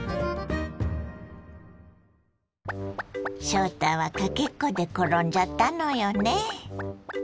翔太はかけっこで転んじゃったのよね。